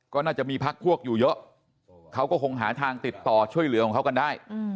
ก็น่าจะมีพักพวกอยู่เยอะเขาก็คงหาทางติดต่อช่วยเหลือของเขากันได้